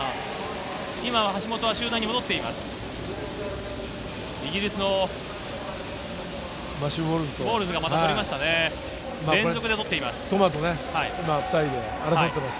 今、橋本は集団に戻っています。